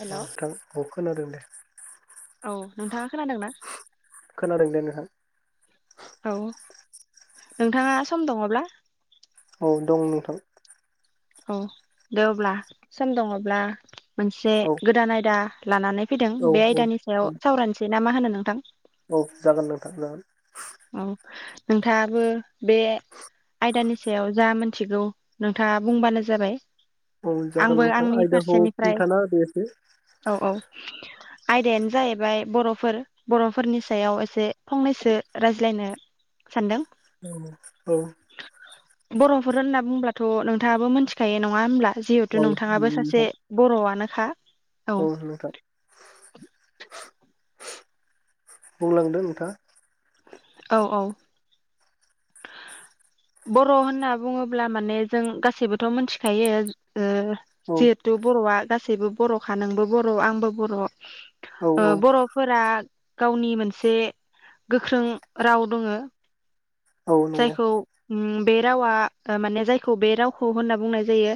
हेल' नोंथां औ खोनादों दे औ नोंथाङा खोनादोंना खोनादों दे नोंथां औ नोंथाङा सम दङब्ला औ दं नोंथां औ दे अब्ला सम दङब्ला मोनसे औ गोदान आयदा लानानै फैदों औ बे औ आयदानि औ सायाव सावरायनसै ना मा होनो नोंथां औ जागोन नांथां जागोन औ नोंथाङाबो बे आयदानि सायाव जा मोनथिगौ नोंथाङा बुंबानो जाबाय औ जागोन आंबो नोंथां आंनि आयदाखौ फारसेनिफ्राय खिन्थाना होदो एसे औ औ आयदायानो जाहैबाय बर'फोर बर'फोरनि सायाव एसे फंनैसो रायज्लायनो सानदों औ औ बर'फोर होनना बुंब्लाथ' नोंथाङाबो मोनथिखायो नङा होमब्ला औ जिहेथु नोंथाङाबो सासे नोंथां बर'आनोखा औ नोंथां बुंलांदो नोंथाङा औ औ बर' होनना बुङोब्ला माने जों गासैबोथ' मोनथिखायो ओ औ जिहेथु बर'आ गासैबो बर'खा नोंबो बर' आंबो बर' औ ओ औ बर'फोरा गावनि मोनसे गोख्रों राव दोङो औ नंगौ उम बे रावा ओमाने जायखौ बे रावखौ होनना बुंनाय जायो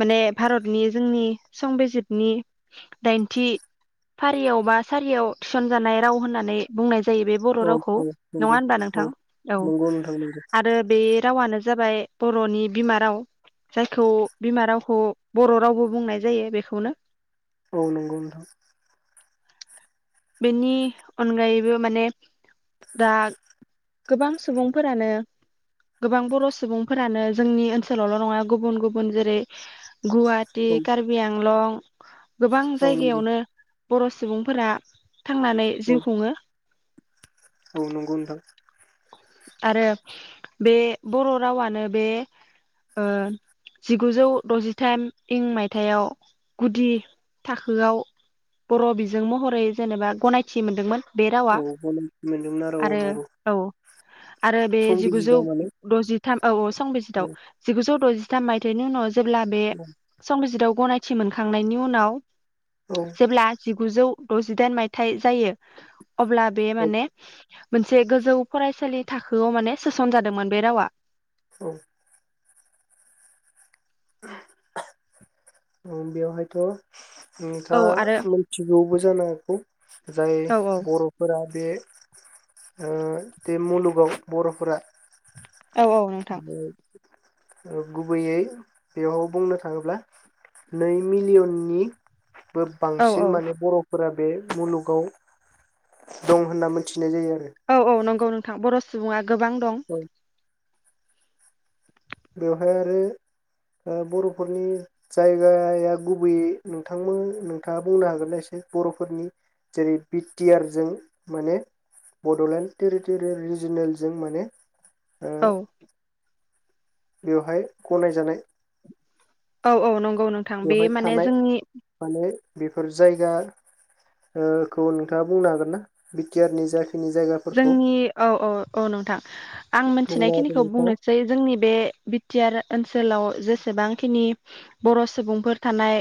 माने भारतनि जोंनि संबिजितनि दाइनथि फारियाव बा सारियाव थिसनजानाय राव होननानै बुंनाय जायो बे बर' औ रावखौ औ नङा नंगौ होनबा नोंथां औ औ नंगौ नोंथां नंगौ आरो बे रावानो जाबाय बर'नि बिमा राव जायखौ बिमा रावखौ बर' रावबो बुंनाय जायो बेखौनो औ नंगौ नोंथां बिनि अनगायैबो माने दा गोबां सुबुंफोरानो गोबां बर' सुबुंफोरानो जोंनि ओनसोलावल' नङा गुबुन गुबुन जेरै गुवाहाटि औ कार्बि आंलं गोबां औ नंगौ जायगायावनो बर' सुबुंफोरा थांनानै औ जिउ खुङो औ नंगौ नोंथां आरो बे बर' रावानो बे ओ जिगुजौ द'जिथाम इं मायथाइयाव गुदि थाखोआव बर' बिजों महरै जेनेबा गनायथि मोनदोंमोन बे रावा औ गनायथि मोनदोंमोन आरो नंगौ आरो बे जिगुजौ संबिजिदाव माने द'जि थाम औ औ औ संबिजिदआव जिगुजौ द'जि थाम मायथाइनि उनाव जेब्ला बे संबिजितआव गनायथि मोनखांनायनि उनाव औ जेब्ला जिगुजौ द'जिदाइन मायथाइ जायो अब्ला बे औ माने मोनसे गोजौ फरायसालि थाखोआव माने सोसन जादोंमोन बे रावा औ ओम बेयाव हायथ' औ नोंथाङा आरो मिनथिगौबो जानो हागौ जाय औ औ बर'फोरा बे ओ बे मुलुगाव बर'फोरा औ औ नोंथां [unintelligible] गुबैयै बेयाव बुंनो थाङोब्ला नै मिलियननि बो औ बांसिन औ माने बर' फोरा बे मुलुगाव दं होनना मिथि औ औ नंगौ नोंथां बर' सुबुङा गोबां दं औ बेवहाय आरो ओ बर'फोरनि जायगाया गुबैयै नोंथां नोंथाङा बुंनो हागोनना एसेसै बर'फोरनि जेरै बि टि आर जों माने बड'लेण्ड टेरिट'रियेल रिजिनेलजों माने ओ औ बेवहाय गनायजानाय औ औ नंगौ नोंथां बे बेवहाय माने थानाय जोंनि माने बेफोर जायगा ओ खौ नोंथाङा बुंनो हागोन ना बिटिआ नि जि जोंनि औ औ औ नोंथां आं बुंना होदो मिथिनायखिनिखौ नोंथाङा बुंनोसै जोंनि बे बि टि आर ओनसोलाव जेसेबांखिनि बर' सुबुंफोर थानाय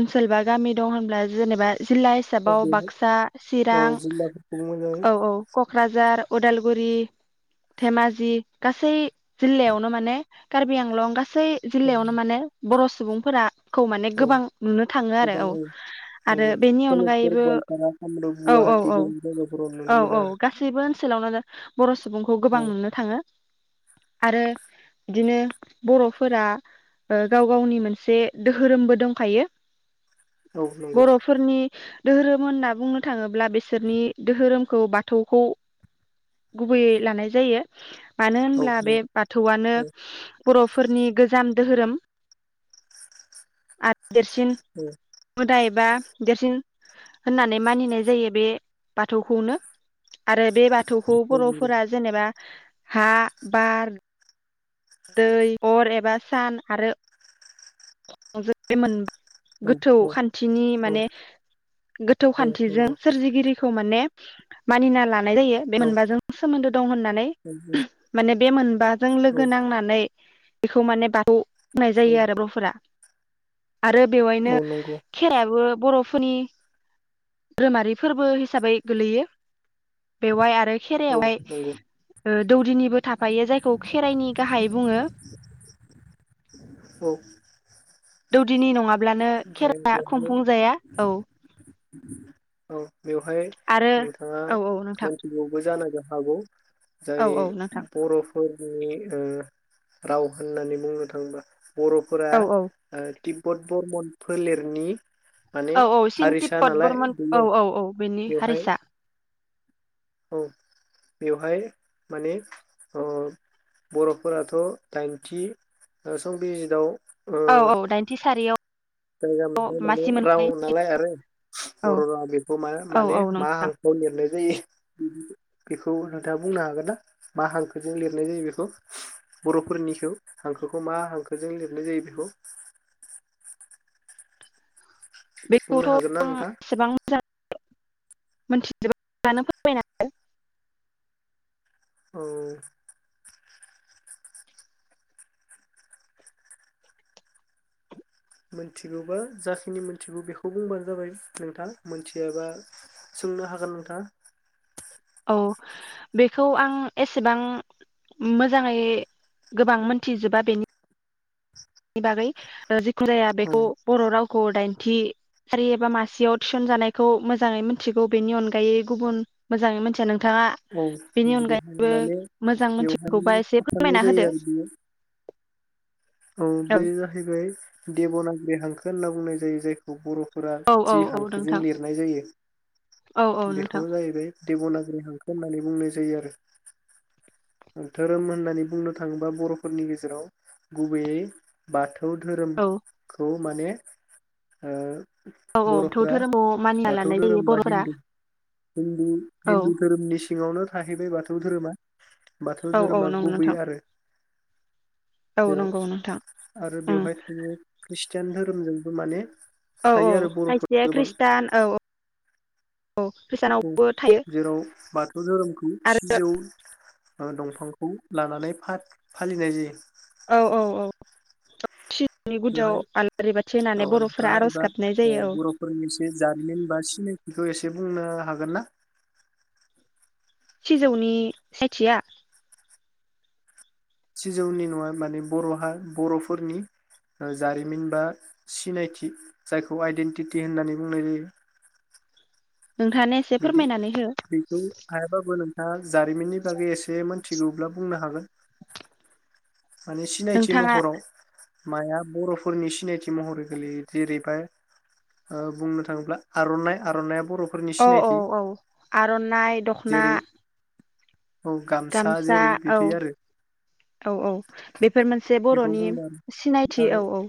ओनसोल बा गामि दं होनब्ला जेनेबा जिल्ला हिसाबाव बेहाय बाक्सा चिरां अ जिल्लाफोरखौ मोजाङै औ औ झार उदालगुरि धेमाजि गासै जिल्लायावनो माने कार्बि आंलं गास सै औ जिल्लायावनो माने बर' सुबुंफोरा खौ माने औ गोबां नुनो थाङो आरो औ आरो नंगौ बेनि सनितपुर अनगायैबो गवालपारा कामरुप औ औ गुवाहाटि औ गोबां जायगाफोराव औ नुनो मोनो आरो औ सैबो ओनसोलावनो बर' सुबुंखौ गोबां औ नुनो थाङो आरो इदिनो बर'फोरा गाव गावनि मोनसे दोहोरोमबो दंखायो औ नंगौ बर'फोरनि दोहोरोम होनना बुंनो थाङोब्ला बिसोरनि दोहोरोमखौ बा थौखौ गुबैयै लानाय जायो मानो औ होनब्ला बे नंगौ बाथौआनो औ बर'फोरनि गोजाम धोहोरोम आ देरसिन औ मोदाय बा देरसिन होननानै मानिनाय जायो बे बाथौखौनो आरो बे बाथौखौ नंगौ बर'फोरा जेनेबा हा बार दै अर एबा सान आरो [inaudible] औ गोथौ खान्थिनि औ माने गोथौ औ नंगौ औ खान्थिजों सोरजिगिरि खौ माने मानिना ला नाय जायो बे मोनबाजों सोमोन्दो दं होननानै माने बे मोनबाजों लोगो नांनानै बेखौ माने बाथौ बुंनाय जायो आरो ब्र'फोरा आरो बेवायनो नंगौ खेराइ आबो बर'फोरनि ध्रोमारि फोरबो हिसाबै गोलैयो बेवाय आरो औ खेराइयावहाय नंगौ ओ दौदिनिबो थाफायो जायखौ खेराइनि गाहाय बुङो औ दौदिनि नङा ब्लानो ओमफ्राय खेरा बेवहाय खुंफुं जाया औ औ बेवहाय आरो नोंथाङा औ औ नोंथां मोनथिबौबो जानान नो हागौ औ जाय औ नोंथां बर'फोर जोंनि ओ राव होननानै बुंनो थाङोबा बर'फोरा औ ओ औ तटिब्बद बर्मन फोलेरनि माने औ औ सिन हारिसा नालाय तिब्बत-बर्मन औ बेयो औ औ बेनि बेवहाय हारिसा औ बेवहाय माने ओ बर'फोराथ' दाइनथि ओ संबिजितआव ओ औ औ दाइनथि सारियाव जायगा मोननाय माने मासि राव मोनखायो नालाय आरो औ बर' रावा बेखौ मा औ माने औ मा नोंथां हांखोआव लिरनाय जायो बेखौ नोंथाङा बुंनो हागोन ना मा हांखोजों लिरनाय जायो बेखौ बर'फोरनिखौ हांखोखौ मा हांखोजों लिरनाय जायो बेखौ बुंनो हागोन ना बेखौथ' नोंथां एसेबां मोजां मिथिजोबानो फोरमायना होदो औ मोनथिगौबा जाखिनि मोनथिगौ बेखौ बुंबानो जाबाय नोंथाङा मोनथियाबा सोंनो हागोन नोंथाङा औ बेखौ आं एसेबां मोजाङै गोबां मोनथिजोबा बेनि नि बागै ओ जि खुदाया औ बेखौ बर' रावखौ दाइन थि सारि एबा मासियाव थिसन जानायखौ मोजाङै मोनथिगौ बेनि अनगायै गुबुन मोजाङै मिथिया नों औ बेहाय माने मोजां मोनथिगौबा बेवहायनो एसे थाफानाय फोरमायना होदो जायो आरो बियो औ बे जाहैबाय देब'नागिरि हांखो होनना बुंनाय जायो जायखौ बर' फोरा औ औ जि औ हांखोजों नोंथां लिरनाय जायो औ औ बेखौ नोंथां जाहैबाय देबना रि हांखो होननानै बुंनाय जायो आरो धोरोम होननानै बुंनो थाङोबा बर'फोरनि गेजेराव गुबैयै बाथ थौ औ धोरोमखौ माने ओ औ औ बाथौ बर'फ्रा धोरोमखौ मानिना बाथौ लानाय जायो धोरोम बा बर'फोरा हिन्दु हिन्दु औ हिन्दु धोरोमनि सिङावनो थाहैबाय बाथौ धोरोमा बाथौ औ औ धोरोमा नंगौ गुबै नोंथां आरो औ नंगौ नोंथां जेराव आरो उम बेवहाय थायो ख्रिष तियान धोरोमजोंबो माने औ थायो औ आरो बर'फोर खायसेया ख्रिस्टान औ औ औ खृष्टानावबो थायो जेराव बाथौ धोरोमखौ आरो सिजौ ओरो दंफांखौ लानानै फा फालिनाय जायो औ औ औ सिजौनि गुदियाव बेवहाय आलारि बाथि होनानै औ बर'फोरा नोंथाङा आर'ज एबा गाबनाय ओ जायो औ बर'फोरनि एसे जारिमिन बा सिनायथिखौ एसे बुंनो हागोन ना सिजौनि [unintelligible] सिजौनि नङा माने बर'हा बर'फोरनि जारिमिन बा सिनायथि जायखौ आइडेन्टिटि होननानै बुंनाय जायो नोंथाङानो एसे बिदि फोरमायनानै हो बेखौ हायाबाबो नों आ जारिमिननि बागै एसेमोन थिगौब्ला बुंनो हागोन माने सिनायथि नोंथाङा महराव माया बर'फोरनि सिनायथि महरै गोलैयो जेरैबाय ओ बुंनो थाङोब्ला आर'नाइ आर'नाइया बर' औ औ औ आर'नाइ दख'ना जेरै औ गामसा जेरै बिदि आरो औ औ बेफोर मोनसे बेखौ बर'नि बुंदों सिनायथि आरो औ औ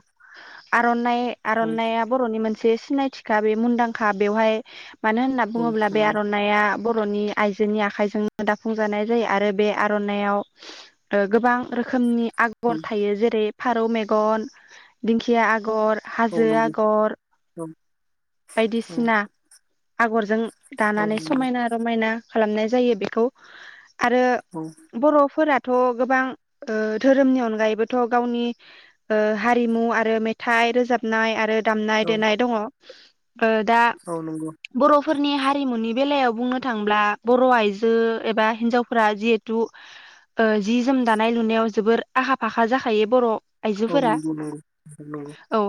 आरन नाय औ आर'नाया बर'नि मोन मोनसे सिनायथिखा बे मुंदांखा बेवहाय मानो होनना औ बुङोब्ला बे नंगौ आर'नाइआ बर'नि आइजोनि आखाइजोंनो दाफुंजानाय जायो आरो बे आर'नाइआव ओ गोबां रोखोमनि औ आगर थायो जेरै फारौ मेगन दिंखिया आगर औ हाजो नंगौ आगर औ औ बायदिसिना आगरजों औ दानानै नंगौ समायना रमायना खालामनाय जायो बेखौ आरो औ बर'फोरा थ' गोबां ओ धोरोमनि अनगायैबोथ' गावनि ओ हारिमु आरो मेथाइ रोजाबनाय आरो दामनाय औ देनाय दङ ओ दा औ नंगौ बर' फोरनि हारिमुनि बेलायाव बुंनो थाङोब्ला बर' आइजो एबा हिन्जावफोरा जिहेथु ओ जि जोम दानाय लुनायाव जोबोर आखा फाखा जाखायो बर' औ आइजोफोरा नंगौ नंगौ औ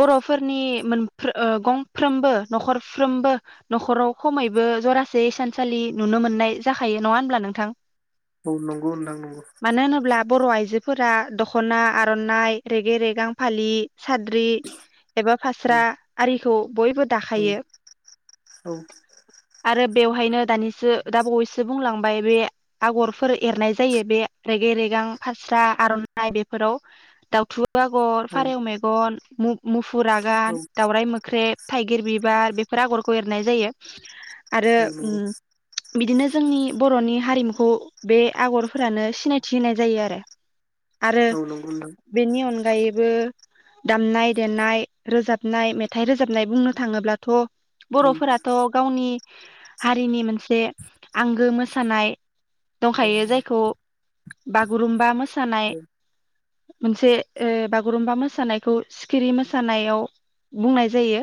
बर'फोरनि मोन ओ गंफ्रोमबो न'खरफ्रोमबो न'खराव खमैबो जरासे सानसालि नुनो मोननाय जाखायो नङा होनब्ला नोंथां औ नंगौनदां नंगौ मानो होनोब्ला बर' आइजोफोरा दख'ना आर'नाइ रेगे रेगां फालि साद्रि एबा औ फास्रा खौ बयबो औ दाखायो औ आरो बेवहायनो दानिसो दा बावैसो बुंलांबाय बे आगरफोर एरनाय जायो बे रेगे रेगां फास्रा आर'नाइ बेफोराव दाउथु आगर औ फारेव मेगन मु मुफ फुरागान मोख्रेब थाइगिर बिबार बिफोर आगरखौ एरनाय जायो आरो उम बिदिनो जोंनि बर'नि हारिमुखौ बे आगरफोरानो सिनायथि होनाय जायो आरो आरो औ नंगौ औ नंगौ नोंथां औ नंगौ औ नंगौ नोंथां औ नंगौ औ नंगौ नोंथां नंगौ औ नंगौ औ बेनि अन गायैबो दामनाय देनाय रोजाब नाय मेथाइ रोजाबनाय बुंनो थाङोब्लाथ' औ बर'फोराथ' गावनि हारिनि मोनसे आंगो मोसानाय दंखायो जायखौ बागुरुमबा मोस सानाय मोनसे ओ बागुरुम्बा मोसानायखौ सिखिरि मोसानायाव बुंनाय जायो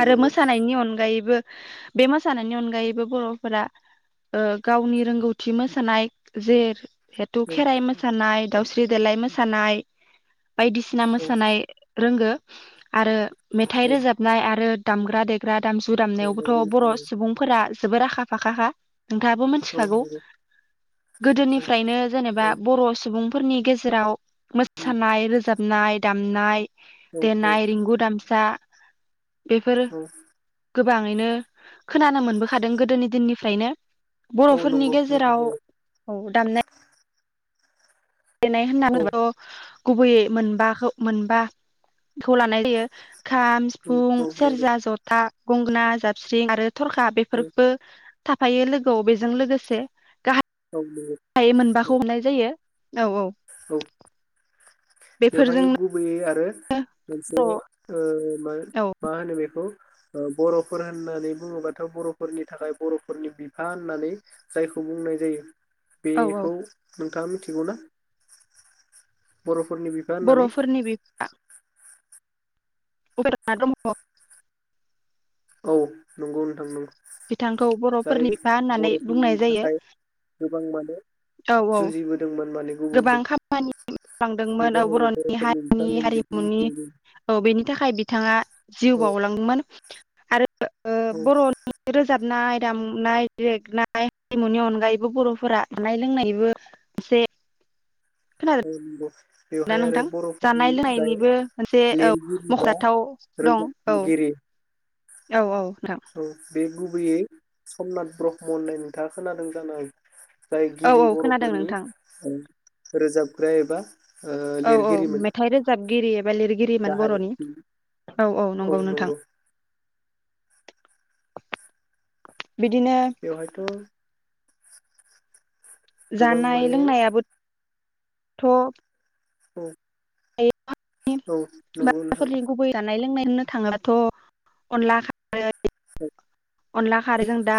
आरो मोसानायनि अनगायैबो बे मोसानायनि अनगायैबो बर'फोरा ओ गावनि रोंगौथि मोसानाय जे हेथु खेराइ मोसानाय दाउस्रि देलाय मोसानाय बायदिसिना मोसानाय रोंगो आरो मेथाइ रोजाबनाय आरो दामग्रा देग्रा दामजु दामनायावबोथ' बर' सुबुंफोरा जोबोर आखा फाखा खा नोंथाङाबो मोनथिखागौ गोदोनिफ्रायनो जेनेबा बर' सुबुं फोरनि गेजेराव मोसानाय रोजाबनाय दामनाय देनाय रिंगु दामसा बेफोरो गोबाङैनो खोनानो मोनबोखादों गोदोनि दिननिफ्रायनो बर'फोरनि गेजेराव औ दामनाय गेलेनाय होननानैथ' गुबैयै मोनबाखौ मोनबाखौ लानाय जायो खाम सिफुं सेरजा जथा गंगना जाबस्रिं आरो थरखा बेफोरबो थाफायो लोगोआव बेजों लोगोसे नंगौ गाहाय हाय मोनबाखौ हमनाय जायो औ औ औ बेवहाय बेफोरजोंनो गुबैयै आरो मोनसे ओ औ मा औ मा होनो बेखौ ओ बर'फोर होननानै बुङोबाथ' बर'फोरनि थाखाय बर'फोरनि बिफा होननानै जायखौ बुंनाय जायो औ औ बेखौ नों थाङा मिथिगौना? होननानै बर'फोरनि बिफा [unintelligible] औ नंगौ नोंथां नोंगौ बिथांखौ जाय बर'फोरनि बिफा होननानै बुंनाय बर'फोरनि जायो थाखाय गोबां माने औ औ जुजिबोदोंमोन माने गोबां गुबुनजों खामानि बे मावलांदोंमोन औ जाहैबाय बर'नि बर'फोरनि बिफा हारिनि होननानै बेखौ हारिमुनि मिथिनाय जायो औ बेनि थाखाय बिथाङा जिउ औ बावलांदोंमोन आरो ओ औ बर'नि [inaudible] रोजाब दाबनाय दामनाय देगनाय हारिमुनि अनगायैबो बर'फोरा जानाय लोंनायबो एसे [unintelligible] ना नोंथां जानाय बर'फोरनि जाय लोंनायनिबो मोनसे औ लिरगिरि बा मख'जाथाव दं औ रोजाबगिरि औ औ नोंथां औ बे गुबैयै समनाथ ब्रह्म होननाय नोंथाङा खोनादों जानो जाय औ गिबि औ खोनादों बर'फोरनि नोंथां ओ रोजाबग्रा एबा ओ औ औ लिरगिरिमोन मेथाइ रोजाब गिरि बा लिरगिरिमोन गाहाय बर'नि औ औ नंगौ नोंथां बिदिनो बेवहायथ' गोबां जानाय माने लोंनायाबो थ' औ औ नंगौ नोंथां बर'फोरनि गुबै जानाय लोंनाय होननो थाङोबाथ' अनला खारै [unintelligible] अनला खारैजों दाउ